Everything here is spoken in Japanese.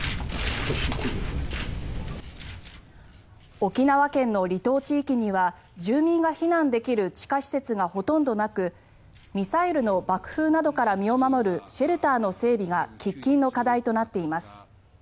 沖縄県の離島地域には住民が避難できる地下施設がほとんどなくミサイルの爆風などから身を守るシェルターの整備が喫緊の課題となっています。